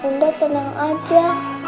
bunda tenang aja